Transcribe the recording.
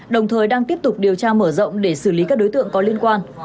đồng thời đang tiếp tục điều tra mở rộng để xử lý các đối tượng có liên quan